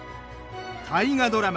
大河ドラマ